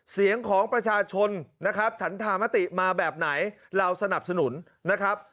เสียงของประชาชนนะครับฉันธามติมาแบบไหนเราสนับสนุนนะครับ